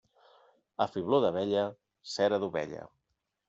A fibló d'abella, cera d'ovella.